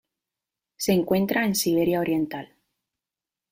Se encuentra en Siberia oriental.